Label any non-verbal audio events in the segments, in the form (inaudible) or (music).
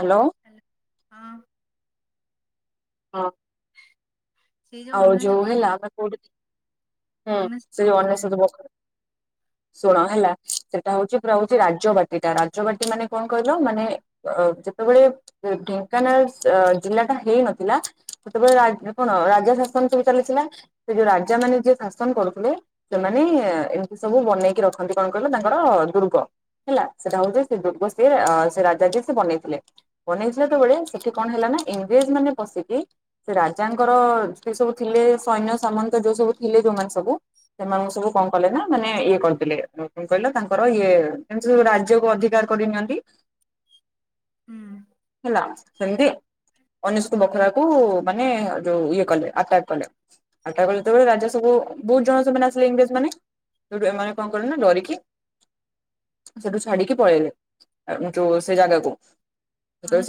Hello. Hello ହଁ ହଁ। ସେଇ ଆଉ ଯୋଉ ଅନେଶତ ହେଲା ଆମେ କୋଉଠି ହୁଁ ଅନେଶତ ସେ ଅନ୍ୟ ବଖରା ସହ ପଖରେ ଶୁଣ ହେଲା ସେଟା ହେଉଛି ପୁରା ହଉଛି ରାଜବାଟିଟା ରାଜବାଟୀ ମାନେ କଣ କହିଲ ମାନେ ଅ ଓଁ ଯେତେବେଳେ ଢେଙ୍କାନାଳ ଜିଲ୍ଲା ଟା ହେଇନଥିଲା ସେତେବେଳେ ରାଜା କଣ ରାଜା ଙ୍କ ଶାସନ ସବୁ ଚାଲିଥିଲା ସେ ଯୋଉ ରାଜା ମାନେ ଯିଏ ଶାସନ କରୁଥିଲେ ସେମାନେ ହିଁ ଏମିତି ସବୁ ବନେଇକି ରଖନ୍ତି କଣ କହିଲ ତାଙ୍କର ଦୁର୍ଗ ହେଲା ସେଟାହେଉଛି ସେ ଦୁର୍ଗ ସିଏ ସେ ରାଜା ଯିଏ ସେ ବନେଇଥିଲେ। ବନେଇଥିଲା ଯେତେବେଳେ ସେଠୀ କଣ ହେଲା ନାଁ ଇଂରେଜ ମାନେ ପଶିକି ସେ ରାଜାଙ୍କର ସେ ସବୁ ଥିଲେ ସୈନ୍ୟ ସାମନ୍ତ ଯୋଉ ସବୁ ଥିଲେ ଯୋଉମାନେ ସବୁ ସେମାନଙ୍କୁ ସବୁ କଣ କଲେ ନାଁ ମାନେ ଇଏକରିଦେ ଏୟ ଉଁ ଉଁ କଣ କହିଲ ତାଙ୍କର ଇଏ ଯଉଁ ରାଜ୍ୟକୁ ଅଧିକାର କରି ନିଅନ୍ତି। ହୁଁ ହେଲା ସେମିତି ଅନେସ୍ୱତ ବଖରାକୁ ମାନେ ଯୋଉ ଇଏ କଲେ। ଆଟାକ କଲେ କଲେ ଯେତେବେଳେ ରାଜ ସବୁ ବହୁତ ଜଣ ସେମାନେ ଆସିଲେ ଇଂରେଜ ମାନେ ଯୋଠୁ ଏମାନେ କଣ କଲେ ନା ଡରି କିି ସେଠୁ ଛାଡିକି ପଳେଇଲେ ଯୋଉ ସେ ଜାଗାକୁ।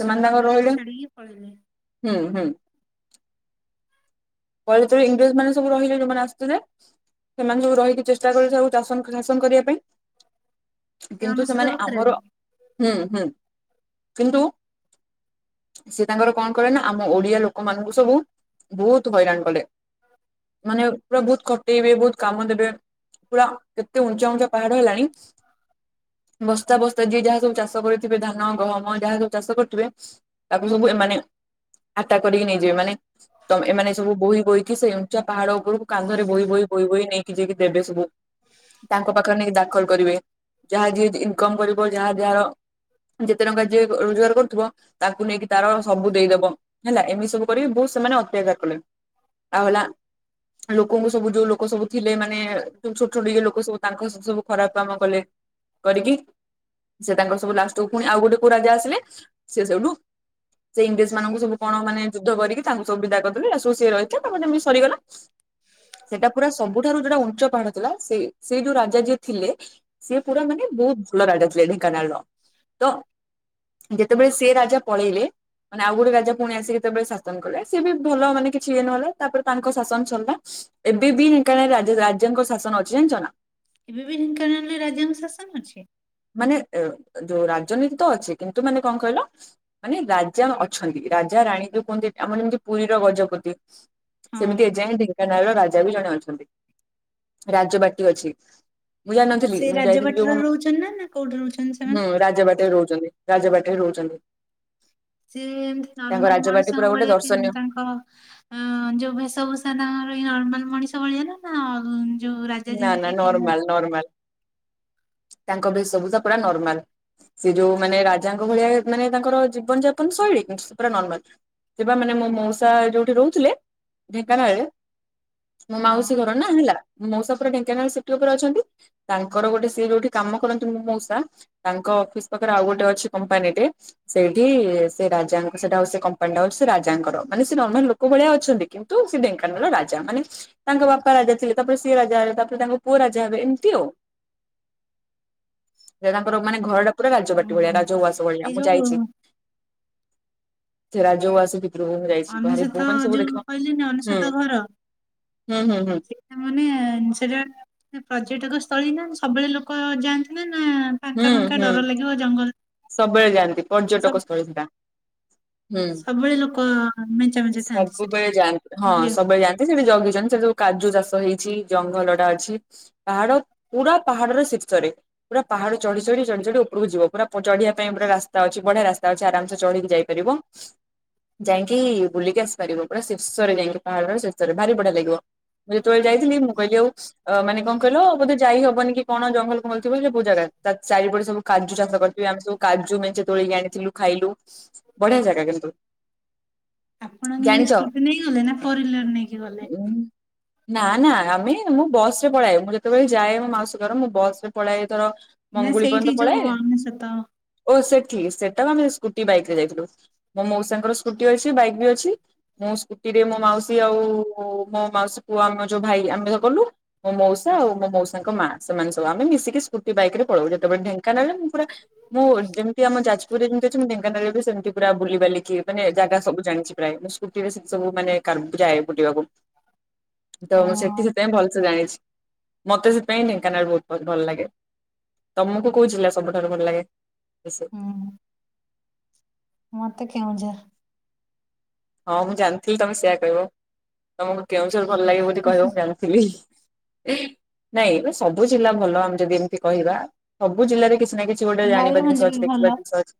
ସେମାନେ ତାଙ୍କର ବଖରାରେ ରହିଲେ ଛାଡିକି ପଳେଇଲେ। ହୁଁ ହୁଁ। କ ତ ଇଂରେଜ ମାନେ ସବୁ ରହିଲ ଯୋଉମାନେ ଆସିୁଥିଲେ। ସେମାନ ସବୁ ରହିକି ଚେଷ୍ଟା କରିଥାଉ ଶାସନ କରିବା ପାଇଁ। ସେ କିନ୍ତୁ ଅନେଶତ ସେମାନେ ବଖରାରେ ଆମର ହୁଁ ହୁଁ କିନ୍ତୁ ସେ ତାଙ୍କର କଣ କରେ ନା ଆମ ଓଡିଆ ଲୋକମାନାନଙ୍କୁ ସବୁ ବହୁତ ହଇରାଣ କଲେ ମାନେ ପୁରା ବହୁତ ଖଟେଇବେ ବହୁତ କାମ ଦେବେ ପୁରା କେତେ ଉଞ୍ଚା ଉଞ୍ଚା ପାହାଡ ହେଲାଣି ବସ୍ତା ବସ୍ତା ଯିଏ ଯାହା ସବୁ ଚାଷ କରିଥିବେ ଧାନ ଗହମ ଯାହା ସବୁ ଚାଷ କରିଥିବେ ତାକୁ ସବୁ ମାନେ ଆଟାକ କରିକି ନେଇଯିବେ ମାନେ ତେ ଏମାନେ ସବୁ ବୋହି ବୋହିକି ସେ ଉଞ୍ଚା ପାହାଡ ଉପରକୁ କାନ୍ଧରେ ବୋହି ବୋହି ବୋହି ବହି ନେଇକି ଯାଇକି ଦେବେ ସବୁ ତାଙ୍କ ପାଖରେ ନେଇକି ଦାଖଲ କରିବେ ଯାହା ଯିଏ ଇନକମ କରିବ ଯାହା ଯାହାର ଯେତେ ଟଙ୍କା ଯେ ରୋଜଗାର କରୁଥିବ ତାକୁ ନେଇକି ତାର ସବୁ ଦେଇଦବ ହେଲା ଏମିତି ସବୁ କରିକି ବହୁତ ସେମାନେ ଅତ୍ୟାଚାର କଲେ ଆଉ ହେଲା ଲୋକଙ୍କୁ ସବୁ ଯୋଉ ଲୋକ ସବୁ ଥିଲେ ମାନେ ଛୋଟ ଛୋଟ ଟିଏ ଲୋକ ସବୁ ତାଙ୍କ ସ ସବୁ ଖରାପ କାମ କଲେ କରିକି ସେ ତାଙ୍କର ସବୁ ଲାଷ୍ଟକୁ ପୁଣି ଆଉ ଗୋଟେ କୋଉ ରାଜା ଆସିଲେ ସେ ସେଇଠୁ ସେ ଇଂରେଜ ସେମାନଙ୍କୁ ସବୁ କଣ ମାନେ ଯୁଦ୍ଧ କରିକି ତାଙ୍କୁ ସବୁ ବିଦା କରିଦେଲ ସେଷ ରହିଥା କମିତି ସରିଗଲା ସେଟା ପୁରା ସବୁଠାରୁ ଯୋଟା ଉଞ୍ଚ ପାଣ ଥିଲା ସେ ସେଇ ଯୋଉ ରାଜା ଯିଏ ଥିଲେ ସିଏ ପୁରା ମାନେ ବହୁତ ଭଲ ରାଜା ଥିଲେ ଢେଙ୍କାନାଳର ତ ଯେତେବେଳେ ସେ ରାଜା ପଳେଇଲେ ମାନେ ଆଉ ଗୋଟେ ରାଜା ପୁଣି ଆସିକି ଯେତେବେଳେ ଶାସନ କଲେ ସି ବି ଭଲ ମାନେ କି ଏ ନହେଲେ ତାପରେ ତାଙ୍କ ଶାସନ ସରିଲା ଏବେ ବି ଢେଙ୍କାନାଳ ରେ ରାଜା ରାଜ୍ୟଙ୍କ ଶାସନ ଅଛି ଜାଣିଛନା? ଏବେ ବି ଢେଙ୍କାନରେ ରାଜାଙ୍କ ଶାସନ ଅଛି? ଏ ଏ ଯୋଉ ରାଜନୀତି ତ ଅଛି କିନ୍ତୁ ମାନେ କଣ କହିଲ ମାନେ ରାଜା ଅଛନ୍ତି ରାଜା ରା ଜାଣିକି କୁହନ୍ତି ଏ ଆମର ଯେମିତି ପୁରୀର ଗଜପତି ସେମିତି ହଁ। ଏଯାଏ ଢେଙ୍କାନାଳର ରାଜା ବି ଜଣେ ଅଛନ୍ତି ରାଜବାଟୀ ଅଛି ମୁଁ ଯାଣିନଥିଲି ସେ ମୁଁ ଯାଇଥିଲି ଯୋଉ ରାଜବାଟୀରେ କଣ ରହୁଛନ୍ତି ନା ନା କୋଉଠି ରହୁଛନ୍ତି ସେମାନେ? ହୁଁ ରାଜବାଟରେ ରହୁଛନ୍ତି ରାଜ ବାଟରେ ରହୁଛନ୍ତି। ସିଏ ଏମତି ତାଙ୍କ ନର୍ମାଲ ରାଜବାଟୀ ପୁରା ମଣିଷଙ୍କ ଗୋଟେ ଭଳିଆ ପି ଦର୍ଶନୀୟ ତାଙ୍କ ଅ ଯୋଉ ଭେଶଭୂଷା ନା ଆମର ଏଇ ନର୍ମାଲ ମଣିଷ ଭଳିଆ ନା ନା? ଯୋଉ ରାଜା ନା ନା ଯେମିତି ପିନ୍ଧନ୍ତି ନର୍ମାଲ ନର୍ମାଲ ତାଙ୍କ ବି ସବୁ ତ ପୁରା ନର୍ମାଲ। ସେ ଯୋଉ ମାନେ ରାଜାଙ୍କ ଭଳିଆ ମାନେ ତାଙ୍କର ଜୀବନ ଯାପନ ଶୈଳୀ କିନ୍ତୁ ସେ ପୁରା ନର୍ମାଲ। ଯିବା ମାନେ ମୋ ମଉସା ଯୋଉଠି ରହୁଥିଲେ ଢେଙ୍କାନାଳରେ ମୋ ହଁ ମାଉସୀ ଘର ନା ହେଲା ମଉସା ପୁରା ଢେଙ୍କାନାଳ ସିଟି ଉପରେ ଅଛନ୍ତି ତାଙ୍କର ଗୋଟେ ସେ ଯୋଉଠି କାମ କରନ୍ତି ମୁଁ ମଉସା ତାଙ୍କ ଅଫିସ ପାଖରେ ଆଉ ଗୋଟେ ଅଛି କମ୍ପାନିଟେ ସେଇଠି ସେ ରାଜାଙ୍କ ସେଟାଉ କମ୍ପାନୀଟା ହଉ ରାଜା ଙ୍କର ମାନେ ସେ ନର୍ମାଲ ଲୋକ ଭଳିଆ ଅଛନ୍ତି କିନ୍ତୁ ସେ ଢେଙ୍କାନାଳ ରାଜା ମାନେ ତାଙ୍କ ବାପା ରାଜା ଥିଲେ ତାପରେ ସିଏ ରାଜା ହେବେ ତାପରେ ତାଙ୍କ ପୁଅ ରାଜା ହେବେ ଏମିତି ଆଉ। ସେ ତାଙ୍କର ମାନେ ଘରଟା ପୁରା ରାଜ ହୁଁ ବାଟି ଭଳିଆ ହୁଁ ରାଜହ ଉଆସ ଭଳିଆ ଏ ମୁଁ ଯୋଉ ଯାଇଛି ସେ ରାଜ ଉଆସ ଭି କୁ ମୁଁ ଯାଇଛି ବାହାରି ଅନେଶତ ଭୋ ମାନ ସବୁ ଯୋଉ ଦେଖ କହିଲେନି ହୁଁ ଅନେଶତ ଘର ହୁଁ ହୁଁ ହଁ। ସେଇଟା ମାନେ ସେଟା ପର୍ଯ୍ୟଟକ ସ୍ଥଳୀ ନା ସବୁବେଳେ ଲୋକ ଯାଆନ୍ତି ନା ନା ହୁଁ ଫାଙ୍କା ଫାଙ୍କା ହୁଁ ଡର ଲାଗିବ ଜଙ୍ଗଲ ସବୁବେଳେ ଯାଆନ୍ତି ପର୍ଯ୍ୟଟକ ସବୁ ସ୍ଥଳୀ ସେଟା ହୁଁ ସବୁବେଳେ ଲୋକ ମେଞ୍ଚା ମେଞ୍ଚା ଥାଆନ୍ତି ସେଠି ସବୁବେଳେ ଜାନ୍ତି ହଁ ବୁଲିବାକୁ। ସବୁବେଳେ ଜାଆନ୍ତି ସେଠି ଜଗିଛନ୍ତି ସବୁ କାଜୁ ଚାଷ ଷ ହେଇଛି ଜଙ୍ଗଲ ଟା ଅଛି ପାହାଡ ପୁରା ପାହାଡର ଶୀର୍ଷରେ ପୁରା ପାହାଡ ଚଢି ଚଢି ଚଢି ଚଢି ଉପରକୁ ଯିବ ପୁରା ଚଢିବା ପାଇଁ ପୁରା ରାସ୍ତା ଅଛି ବଢିଆ ରାସ୍ତା ଅଛି ଆରାମ ସେ ଚଢିକି ଯାଇପାରିବ ଯାଇଁକି ବୁଲିକି ଆସିପାରିବ ପୁରା ଶୀର୍ଷରେ ଯାଇକି ପାହାଡର ଶୀର୍ଷରେ ଭାରି ବଢିଆ ଲାଗିବ। ମୁଁ ଯେତେବେଳେ ଯାଇଥିଲି ମୁଁ କହଲିି ଆଉ ଅ ମାନେ କଣ କହିଲ ବୋଧେ ଯାଇ ହବନି କି କଣ ଜଙ୍ଗଲ ଫଙ୍ଗଲ ଥିବ ସେ ପୂଜାରେ ଚାରିପଟେ ସବୁ କାଜୁ ଚାଷ କରିଥିବେ ଆମେ ସବୁ। କାଜୁ ମେଞ୍ଚେ ତୋଳିକି ଆଣିଥିଲୁ ଖାଇଲୁ ବଢିଆ ଜାଗା କିନ୍ତୁ। ଆପଣ କେମତି ଜାଣିଛ? ସ୍କୁଟି ନେଇଗଲେ ନା ପରଉଇଲର ନେଇକି ଗଲେ? ଉଁ ନା ନା ଆମେ ମୁଁ ବସରେ ପଳାଏ ମୁଁ ଯେତେବେଳେ ଯାଏ ମୋ ମାଉସୀ ଘର ମୁଁ ବସରେ ପଳାଏ ତଳ ନା ମଙ୍ଗୁଳି ସେଇଠି ପନ୍ତ ଯୋଉ ପଳାଏ ଅନେଶତ ଓ ସେଠି ସେଟା ଆମେ ସ୍କୁଟି ବାଇକ୍ ରେ ଯାଇଥିଲୁ ମୋ ମଉସାଙ୍କର ସ୍କୁଟି ଅଛି ବାଇକ୍ ବି ଅଛି ମୁଁ ସ୍କୁଟିରେ ମୋ ମାଉସୀ ଆଉ ମୋ ମାଉସୀ ପୁଅ ଆମେ ଯୋଉ ଭାଇ ଆମେ କଲୁ ମୋ ମଉସା ଆଉ ମୋ ମଉସା ତାଙ୍କ ମା ସେମାନେ ସବୁ ଆମେ ମିଶିକି ସ୍କୁଟି ବାଇକରେ ପଳ ଯେତେବେଳେ ଢେଙ୍କାନାଳରେ ମୁଁ ପୁରା ମୁଁ ଯେମିତି ଆମ ଯାଜପୁରରେ ଯେମିତି ଅଛି ମୁ ଢେଙ୍କାନାଳରେ ବି ସେମତି ପୁରା ବୁଲିବାଲି ଲେକି ମାନେ ଜାଗା ସବୁ ଜାଣିଛି ପ୍ରାୟ ମୁଁ ସ୍କୁଟିରେ ସେ ସବୁ ମାନେ କାନ୍ଦି ଯାଏ ବୁଲିବାକୁ। ତ ମୁଁ ସେଠି ହଁ ସେଥିପାଇଁ ଭଲସେ ଜାଣିଛି ମତେ ସେଥିପାଇଁ ଢେଙ୍କାନାଳ ବହୁତ ଭ-ଭଲ ଲାଗେ। ତମକୁ କଉ ଜିଲ୍ଲା ସବୁଠାରୁ ଭଲ ଲାଗେ ବେଶୀ? ହୁଁ ମତେ କେଉଁଝର। ହଁ ମୁଁ ଜାଣିଥିଲି ତମେ ସେୟା କହିବ ତମକୁ କେଉଁ ଭଲ ଲାଗେ ବୋଲି କହିବ ମୁଁ ଜାଣିଥିଲି। ନାଇଁ ଏ ସବୁ ଜିଲ୍ଲା ଭଲ ଆମେ ଯଦି ଏମିତି କହିବା ସବୁ ଜିଲ୍ଲାରେ କିଛି କିଛି ନା କିଛି ଗୋଟେ ଜାଣିବା ମୟୂରଭଞ୍ଜ ଜିନିଷ ବି ଅଛି ଦେଖିବା ଭଲ। ଜିନିଷ ଅଛି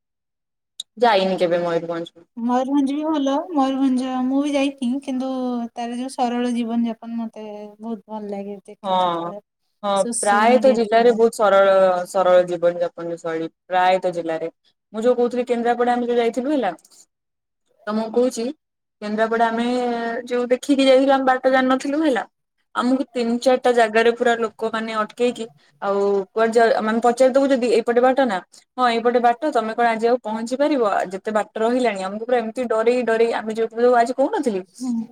ଯାଇନି କେବେ ମୟୂରଭଞ୍ଜ। ମୁଁ। ମୟୂରଭଞ୍ଜ ବି ଭଲ। ମୟୂରଭଞ୍ଜ ମୁଁ ବି ଯାଇଥି କିନ୍ତୁ ତାର ଯୋଉ ସରଳ ଜୀବନ ଯାପନ ମତେ-ଏ-ଏ ବହୁତ ଭଲ ଲାଗେ ଦେଖେ ହଁ, ଯେତେବେଳେ ହଁ ସୋସିଆଲ ପ୍ରାୟତଃ ମିଡିଆ ଜିଲ୍ଲାରେ ଥ୍ରୁରେ। ବହୁତ ସରଳ ସରଳ ଜି ଜୀବନଯାପନ ଶୈଳୀ ପ୍ରାୟତଃ ଜିଲ୍ଲାରେ ମୁଁ ଯୋଉ କହୁଥିଲି କେନ୍ଦ୍ରାପଡା ଆମେ ଯୋଉ ଯାଇଥିଲୁ ହେଲା ତମକୁ କହୁଛି କେନ୍ଦ୍ରାପଡା ଆମେ ଯୋଉ ଦେଖିକି ଯାଇଥିଲୁ ଆମେ ବାଟ ଜାଣିନଥିଲୁ ହେଲା ଆମକୁ ତିନି ଚାରିଟା ଜାଗାରେ ପୁରା ଲୋକମାନେ ଅଟକେଇକି ଆଉ କୁଆଡେ ଯା ମାନେ ପଚାରି ଦବୁ ଯଦି ଏପଟେ ବା ବାଟ ନା ହଁ ଏଇପଟେ ବାଟ ତମେ କଣ ଆଜି ଆଉ ପହଞ୍ଚି ପାରିବ ଯେତେ ବାଟ ରହିଲାଣି ଆମକୁ ପୁରା ଏମ ଡରେଇ ଡରେଇ ଆମେ ଯୋଉ (unintelligible) ଆଜି କହୁନଥିଲି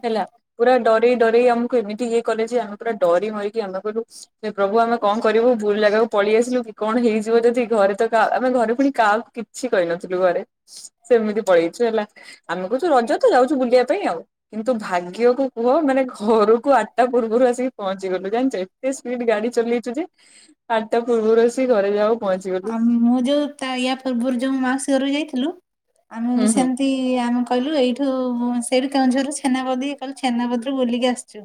ହେଲା ପୁରା ଡ ଡରେଇ ଡରେଇ ଆମକୁ ଏମିତି ହିଁ କଲେ ଯେ ଆମ ପୁରା ଡରି ମରିକି ଆମେ କହିଲୁ ହେ ପ୍ରଭୁ ଆମେ କଣ କରିବୁ ଭୁଲ ଲାଗାକୁ ପଳେଇ ଆସିଲୁ କି କଣ ହେଇଯିବ ଯଦି ଘ ଘରେ ତ କା ଆମେ ଘରେ ପୁଣି କାହାକୁ କିଛି କହିନଥିଲୁ ଘରେ ସେମିତି ପଳେଇଛୁ ହେଲା। ଆମେ କହୁଛୁ ରଜ ତ ଯାଉଛୁ ବୁଲିବା ପାଇଁ ଆଉ କିନ୍ତୁ ଭାଗ୍ୟକୁ କୁହ ମାନେ ଘରକୁ ଆଠଟା ପୂର୍ବରୁ ଆସିକି ପହଞ୍ଚି ଗଲୁ ଜାଣିଛ ଏତେ ସ୍ପିଡ ଗାଡି ଚଲେଇଛୁ ଯେ ଆଠଟା ପୂର୍ବରୁ ଆସି ଘରେ ଯାହଉ ଆଉ ମୁଁ ଯୋଉ ତା ୟା ପୂର୍ବରୁ ଯେଉଁ ମାଉସୀ ଘରକୁ ଯାଇଥିଲୁ ଆମେ ହୁଁ ବି ହୁଁ ସେମିତି ଆମେ କହିଲୁ ଏଇଠୁ-ଉ-ଉ ସେରି କେଉଁଝରରୁ ଛେନାବଦୀ କାଲି ଛେନାବଦୀରୁ ବୁଲିକି ଆସିଛୁ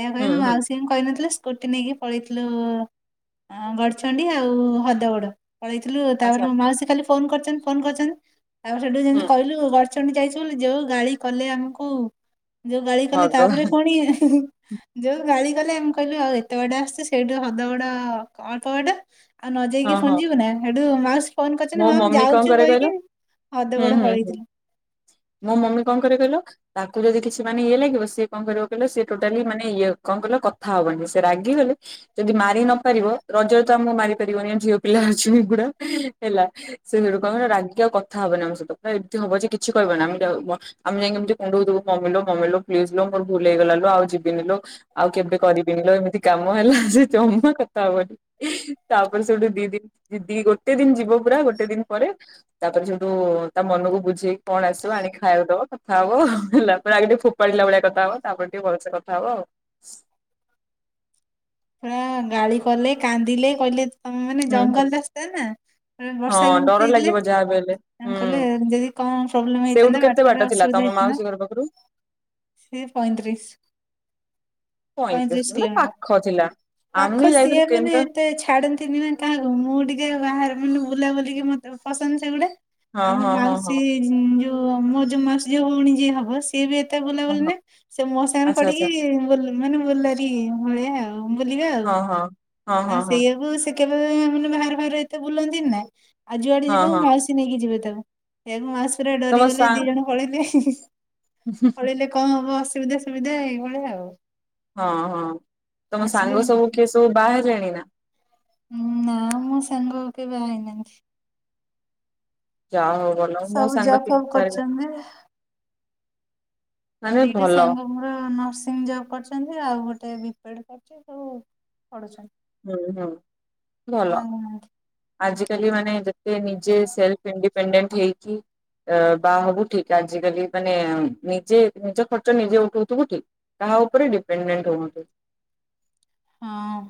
ଏୟା କହି ହୁଁ ମୋ ହୁଁ ମାଉସୀଙ୍କୁ କହିନଥିଲା ସେ କୁଟି ନେଇକି ପଳେଇଥିଲୁ ଗଡ଼ଚଣ୍ଡି ଆଉ ହଦଗଡ। ପଳେଇଥିଲୁ ତାପରେ ଆଚ୍ଛା ମୋ ମାଉସୀ ଖାଲି ଫୋନ କରିଛନ୍ ଫୋନ କରିଛନ୍ ତାପରେ ସେଠୁ ହୁଁ। କହିଲୁ ଗଡ୍ ପାଚମିନଟି ଯାଇଛୁ ବୋଲି ଯୋଉ ଗାଳି କଲେ ଆମକୁ ଯୋଉ ଗାଳି କଲେ ତାପରେ ଭଗବାନ ପୁଣି ହିଁ ହିଁ ହିଁ ଯୋଉ ଗାଳି କଲେ ଆମେ କହିଲୁ ଆଉ ଏତେ ବାଟ ଆସିଛୁ ସେଇଠୁ ହଦଗଡ ଅଳ୍ପ ବାଟ ଆଉ ନ ଯାଇ ହଁ ପୁଣି ହଁ ଯିବୁ ନା ସେଠୁ ମାଉସୀ ଫୋନ ମୋ କରିଛନ୍ତି ହଁ ଆମେ ମମି କଣ ଯାଉଛୁ କରେ କହିକି କହିଲ ହୁଁ ଅଧଗୋଡ ହୁଁ ହୁଁ ପଳେଇଥିଲୁ। ମୋ ମମି କଣ କରେ କହିଲ ତା ତାକୁ ଯଦି କିଛି ମାନେ ଇଏ ଲାଗିବ ସିଏ କଣ କରିବ କହିଲ ସିଏ ଟୋଟାଲି ମାନେ ଇଏ କଣ କହିଲ କଥା ହବନି ସେ ରାଗିଗଲେ ଯଦି ମାରି ନପାରିବ ରଜରେ ତ ଆମକୁ ମାରି ପାରିବନି ଝିଅ ପିଲା ଅଛୁ ଏଗୁଡା। ହେଲା ସେ ସେଠୁ କଣ ହବ ନା ରାଗିକି ଆଉ କଥା ହବନି ଆମ ସହିତ ପୁରା ଏମିତି ହବ ଯେ କିଛି କିହିବନା ଆମେ କୁ ମ-ଆମେ ଯାଇ (unintelligible) ମମିଲୋ ମମିଲୋ ପ୍ଲିଜ୍ ଲୋ ମୋର ଭୁଲ ହେଇଗଲା ଲୋ ଆଉ ଯିବିନି ଲୋ ଆଉ କେବେ କରିବିନ ଲୋ ଏମିତି କାମ ହେଲା ସେ ଜମା କଥା ହବନି ତାପରେ ସେଠୁ ଦି ଦି ଦି ଗୋଟେ ଦିନ ଯି ବୋଉ ପୁରା ଗୋଟେ ଦିନ ପରେ ତାପରେ ସେଠୁ ତା ମନକୁ ବୁଝେଇକି କଣ ଆସିବ ଆଣିକି ଖାଇବାକୁ ଦବ କଥା ହବ ହ ହେଲା ତ ଆଗେ ଫୋପାଡ଼ିଲା ଭଳିଆ କଥା ହବ ତାପରେ ଟିକେ ଭଲସେ କଥା ହବ। ପୁରା ଗାଳି କଲେ କାନ୍ଦିଲେ କହିଲେ ତମେ ମାନେ ହୁଁ ହୁଁ। ଜଙ୍ଗଲ୍‌ ରାସ୍ତା ନା ଆଁ ବର୍ଷା ଵି ହଁ ଡର ଉଠେଦେଲେ ଲାଗିବ ଯାହାବି ହେଲେ କଅଁ କଲେ ହୁଁ। ଜଦି କଣ ପ୍ରୋବ୍ଲେମ ସେଇଠୁ ହେଇଥାନ୍ତା କେତେ ବାଟ ବାଟରେ ଥିଲା ଅସୁବିଧା ତମ ହେଇଥାନ୍ତା ମାଉସୀ ଘର ପାଖରୁ ସେ ପଇଁତିରିଶ୍ ପଇଁତିରିଶ ପଇଁତିରିଶ୍ କିଲୋମିଟର ପାଖ ଥିଲା। ପାଖ ଆମେ ଯାଇଥିଲୁ ସିଏ ମାନେ କେନ୍ଦ୍ରା ଏତେ ଛାଡନ୍ତିନି ନା କାହାକୁ ମୁଁ ଟିକେ ବାହାରେ ମୁଁକହିଲି ବୁଲା ବୁଲିିକି ମତେ ପସନ୍ଦ ସେଗୁଡା ହଁ ଆଉ ମୋ ହଁ ହଁ ମାଉସୀ ହଁ ଝୀ ଯୋଉ ମୋ ଯୋଉ ମାଉସୀ ଝିଅ ଭଉଣୀ ଯିଏ ହବ ସିଏ ବି ଏତ ଏତେ ବୁଲା ହଁ ବୁଲି ହଁ ନାଇଁ ସେ ମୋ ସାଙ୍ଗରେ ଆଚ୍ଛା ଆଚ୍ଛା ପଡିକି ବୁଲ ମାନେ ବୁଲାରୀ ଭଳିଆ ଆଉ। ହଉ ବୁଲିବା ଆଉ ହଁ ହଁ। ହଁ ହଁ ଆଉ ହଁ ସେଇଆକୁ ସେ। କେବେ ବି ଏମାନେ ବାହାରେ ଫାହାରେ ଏତେ ବୁଲନ୍ତିିନି ନା ଆଉ ଯୁଆଡେ ଯିବ ହଁ ମୋ ହଁ ମାଉସୀ ନେଇକି ଯିବେ ତା। ତାକୁ ସେଇଆକୁ ମାଉସୀ ପୁରା ତମ ଡରିଗଲେ ସା ଦି ଜଣ ପଳେଇଲେ ହି ହି ପଳେଇଲେ କଁ ହବ ଅସୁ ଅସୁବିଧା ସୁବିଧା ଏ ଇ ଭଳିଆ ଆଉ। ହଁ ହଁ ତମ ଆସିଲେ ସାଙ୍ଗ ସବୁ କିଏ ସବୁ ବାହାହେଲେଣି ନା। ଉଁ ନା ମୋ ସାଙ୍ଗ କେହି ବାହା ହେଇ ନାହାନ୍ତି। ଯାହାହଉ ଭଲ ମୋ ସାଙ୍ଗ ତିନି ଚାରି ଜଣ। କରିଛନ୍ତି ମାନେ ଦିଟା ଭଲ ସାଙ୍ଗ ମୋର ନର୍ସିଂ ଜବ୍ କରିଛନ୍ତି ଆଉ ଗୋଟ୍। ଟେ ବିପେଡ କରୁଛି ଅଉ ପଢୁଛନ୍ତି। ହୁଁ ହୁଁ ଭଲ ହଁ ଆଜି। କାଲି ମାନେ ଯେତେ ନିଜେ ସେଲ୍ଫ ଇଣ୍ଡିପେଣ୍ଡେଣ୍ଟ ହେଇକି। ଏ ବାହା ହବୁ ଠିକ୍‌ ଆଜିକାଲି ମାନେ ନିଜେ ନିଜ ଖର୍ଚ ନିଜେ ଉଠଉ ଥିବୁ ଠିକ କା କା ଉପରେ ଡିପେଣ୍ଡଣ୍ଟ ହଉ ନଥିବୁ। ହଁ।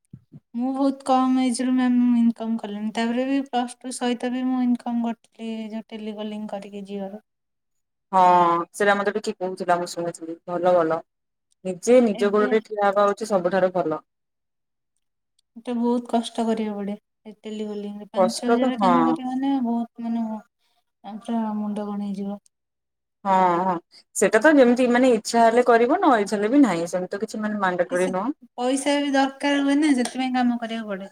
(inaudible) ମୁଁ ବହୁତ୍‌ କମ ଏଜ୍‌ ରୁ ମାମ୍ ଇନକମ୍‌ କଲିଣି ତାପରେ ବି ପ୍ଲସ ଟୁ ସହିତ ବି ମୁଁ ଇନକମ୍ କରୁଥିଲି। ଏ ଯୋଉ ଟେଲିି କଲିଂ କରିକି ଜିଓ ର। ହଁ ସେଇଟା ମତେ ବି କିଏ କହୁଥିଲା ମୁଁ ଶୁଣିଥିଲି ଭଲ ଭଲ। ନିଜେ ନିଜ ଏବେ ଗୋଡ଼ରେ ଠିଆ ହବା ହଉଛି ସବୁଠାରୁ ଭଲ। ମତେ ବୋହୁତ କଷ୍ଟ କରିବାକୁ ପଡେ। ଟେଲି କଲିଂ ରେ ପାଞ୍ଚ କଷ୍ଟ ଛ ତ ହଜାର ରେ ହଁ କାମ କରିବ ମାନେ ବହୁତ୍ ମାନେ (unintelligible) ମୁଣ୍ଡ କଣ ହେଇଯିବ। ହଁ ହଁ ସେଟା ତ ଯେମିତି ମାନେ ଇଚ୍ଛା ହେଲେ କରିବ ନ ଇଚ୍ଛା ହେଲେ ବି ନାହିଁ ସେମତି ତ କି କିଛି ପଇସା ବି ଦରକାର ହୁଏ ନା ସେଥିପାଇଁ କାମ କରିବାକୁ ପଡେ।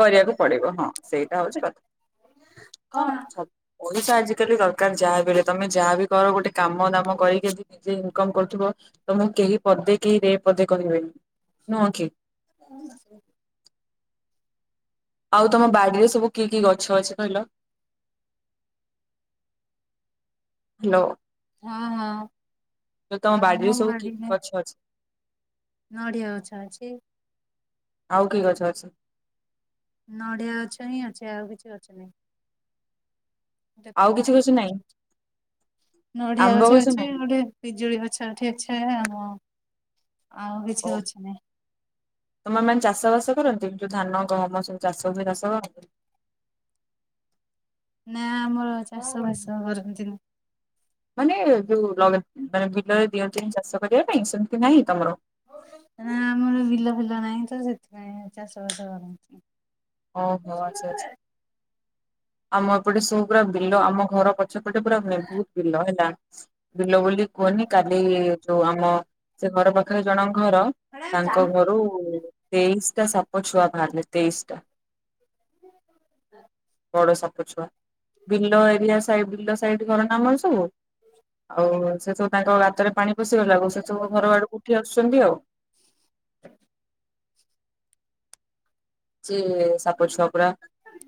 କରିବାକୁ ପଡିବ ହଁ ସେଇଟା ହଉଛି କଥା କଣ ହଁ। ପଇସା ଆଜିକାଲି ଦରକାର ଯାହାବି ହେଲେ ତମେ ଯାହା ବି କର ଗୋଟେ କାମ ଦାମ କରିକି ଯଦି ନିଜେ ଇନକମ୍ କରୁଥିବ। ତମକୁ କେହି ପଦେ କେହି ରେ ପଦେ କହିବେନି ନୁହଁ କି। (inaudible) ଆଉ ତମ ବାଡିରେ ସବୁ କି କି ଗଛ ଅଛି କହିଲ। ହାଲୋ। ହଁ ହଁ ତ ତମ ବାଡ଼ିରେ ଆମ ସବୁ କି କିି ଗଛ ଅଛି। ନଢିଆ ଗଛ ଅଛି। ଆଉ କି ଅଛି। ନଡିଆ ଅଛ ହିଁ ଅଛି ଆଉ କିଛି ଗଛ ନାହିଁ। ଆଉ କିଛି ଗଛ ନାହିଁ (unintelligible) ନଡିଆ ଆମ୍ବ ଗଛ ଅଛି ନାହିଁ ଗୋଟେ ପିଜୁଳି ଗଛ ଏଠି ଅଛି ଆଉ। କିଛି ଓ ଗଛ ନାହିଁ। ତମର ମାନେ ଚାଷବାସ। କରନ୍ତି ଯୋଉ ଧାନ ଗହମ ସବୁ ଚାଷ ହୁଏ ଚାଷ କରନ୍ତି। ନା ଆମର ଚାଷ ବାସ କରନ୍ତିନି। ମାନେ ଯୋଉ ଲଗା ମାନେ ବିଲରେ ଦିଅନ୍ତିନି ଚାଷ କରିବା ପାଇଁ ସେମତି ନାହିଁ ତମର। ନା ଆମର ବିଲ ଫିଲ ନାହିଁ ତ ସେଥିପାଇଁ ଚାଷବାସ କରନ୍ତିନି। ଓହୋ ଆଚ୍ଛା ଆଚ୍ଛା ଆମ ଏପଟେ ସବୁ ପୁରା ବିଲ ଆମ ଘର ପ ପଛ ପଟେ ପୁରା ବହୁତ ବିଲ ହେଲା ବିଲ ବୋଲି କୁହନି କାଲି ଯୋଉ ଆମ। ସେ ଘର ପାଖରେ ଜଣଙ୍କ ଘର ତାଙ୍କ ଘରୁ ତେଇଶ। ଟା ସାପ ଛୁଆ ବାହାରିଲେ ତେଇଶ ଟା। ବଡ ସାପ ଛୁଆ ବିଲ ଏରିଆ ସାଇଡ। ବିଲ ସାଇଡ ଘର ନା ଆମର ସବୁ ଆଉ ସେ ସବୁ ତାଙ୍କ ଗାତରେ ପାଣି। ପଶି ଗଲାକୁ ସେ ସବୁ ଘର ଆଡକୁ ଉଠି ଆସୁଛନ୍ତି ଆଉ। ସେ ସାପ ଛୁଆ ପୁରା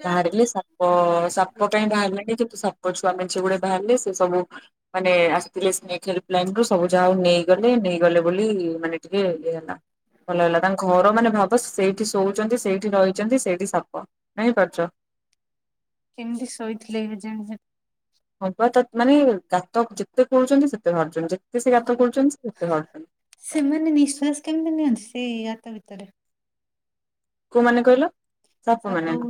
ବାହାରିଲେ ସାପ ସାପ କାଇ ବାହାରିଲାଣି କିନ୍ତୁ ସାପ ସାପ ଛୁଆ ମେଞ୍ଚେ ଗୁଡେ ବାହାରିଲେ ସେ ସବୁ ମାନେ ଆସିଥିଲେ ସ୍ନେକ ହେଲ୍ପ ଲାଇନ ରୁ ସବୁ ଯାହା ନେଇଗଲେ ନେଇଗଲେ ବୋଲି ମାନେ ଟିକେ ଇଏ ହେଲା ଭଲ ହେଲା ତାଙ୍କ ଘର ମାନେ ଭାବ ସେଇଠି ଶୋଉଛନ୍ତି ସେଇ ଠି ରହିଛନ୍ତି ସେଇଠି ସାପ ନାହିଁପାରୁଛ କେମିତି ଶୋଇଥିଲେ କେଜାଣି? ସେ ହଁ ବା ତା ମାନେ ଗାତ ଯେତେ ଖୋଲୁଛନ୍ତି ସେତେ ବାହାରୁଛନ୍ତି ଯେତେ ସେ ଗାତ ଖୋଳୁ ସେମାନେ ନିଶ୍ଵାସ କେମିତି ନିଅନ୍ତି ସେଇ ଗାତ ଭିତରେ? କୋଉମାନେ କହିଲ? ସାପ। ମାନେ ନା।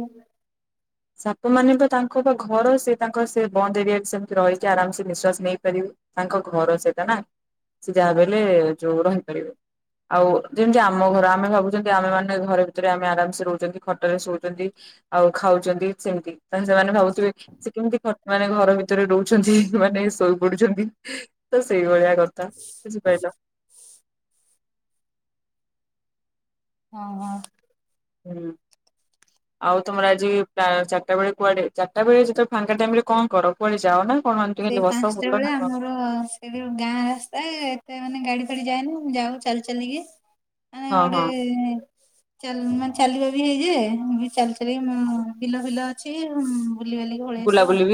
ସାପ ମାନେ ବା ତାଙ୍କ ବା ଘର ସେ ତାଙ୍କ ସେ ବନ୍ଦ ଏରିଆରେ ବି ସେମିତି ରହିକି ଆରାମସେ ନିଶ୍ଵାସ ନେଇପାରିବେ। ତାଙ୍କ ଘର ସେଟା ନା ସେ ଯାହା ବଲେ ଯୋଉ ରହିପାରିବେ। ଆଉ ଯେମିତି ଆମ ଘର ଆମେ ଭାବୁଚେ କି ଆମେ ମାନେ ଘରେ ରେ ଆମେ ଆରାମସେ ରହୁଛନ୍ତି ଖଟରେ ଶୋଉଛନ୍ତି ଆଉ ଖାଉଛନ୍ତି ସେମିତି ତାଲେ ସେମାନେ ଭାବୁ ସେ କେମିତି ଖ ମାନେ ଘର ଭିତରେ ରହୁଛନ୍ତି ମାନେ ଶୋଇ ପଡୁଛନ୍ତି ତ ସେଇଭଳିଆ (unintelligible) ବୁଝିପାଇଲ। ହଁ ହଁ। ହୁଁ। ଆଉ ତମର ଆଜି ପା ଚାରିଟା ବେଳେ କୁଆଡେ ଚାରିଟା ବେଳେ ଯେତେବେ ଫାଙ୍କା ଟାଇମିରେ କଣ କର କୁଆଡେ ଯାଅ ନା କଣ ଏମିତି ସେ ଖାଲି ବସ ପାଞ୍ଚଟା ବୁଲ ବେଳେ ନା କଣ ଆମର ସେ ଗାଁ ରାସ୍ତା ଏତେ ମାନେ ଗାଡି ଗାଡ଼ି ଯାଏନି ଯାଉ ଚାଲି ଚାଲିକି ମାନେ ହଁ ହଁ ଗୋଟେ ଚା ମାନେ ଚାଲିବା ବି ହେଇଜାଏ ବି ଚାଲି ଚାଲି ବିଲ ଫିଲ ଅଛି ବୁଲିବାଲିକି ପଳି ଆସୁ ଆଉ। ବୁଲାବୁଲି